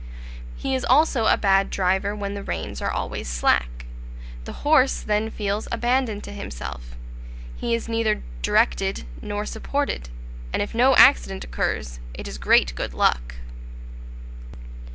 He is also a bad driver when the reins are always slack; the horse then feels abandoned to himself; he is neither directed nor supported, and if no accident occurs, it is great good luck.